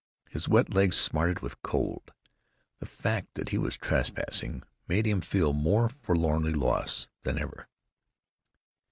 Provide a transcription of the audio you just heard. His wet legs smarted with cold. The fact that he was trespassing made him feel more forlornly lost than ever.